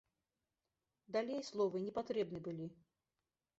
Далей словы непатрэбны былі.